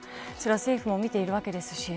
政府も見てるわけだし。